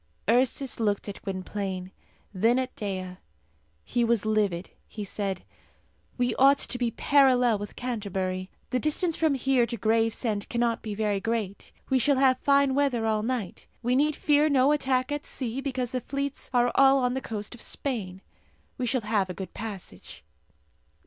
Ursus looked at Gwynplaine, then at Dea. He was livid. He said, "We ought to be parallel with Canterbury. The distance from here to Gravesend cannot be very great. We shall have fine weather all night. We need fear no attack at sea, because the fleets are all on the coast of Spain. We shall have a good passage."